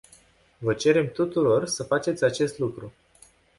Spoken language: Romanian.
Vă cerem tuturor să faceți acest lucru.